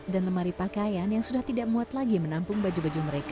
dan lemari pakaian yang sudah tidak muat lagi menampung baju baju mereka